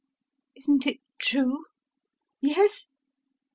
Isn't it true? Yes?